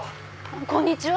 ・こんにちは。